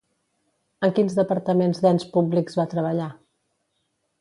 En quins departaments d'ens públics va treballar?